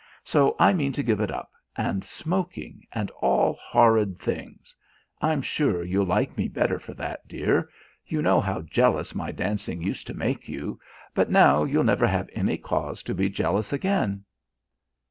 So I mean to give it up, and smoking and all horrid things. I'm sure you'll like me better for that, dear; you know how jealous my dancing used to make you, but now you'll never have any cause to be jealous again."